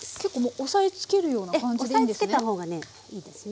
押さえつけた方がねいいですね。